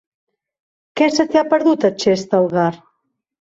Què se t'hi ha perdut, a Xestalgar?